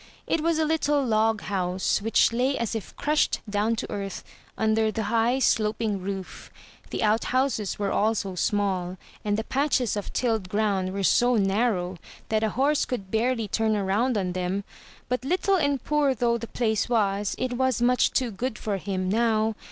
It was a little log house, which lay as if crushed down to earth, under the high, sloping roof. The outhouses were also small; and the patches of tilled ground were so narrow that a horse could barely turn around on them. But little and poor though the place was, it was much too good for him now.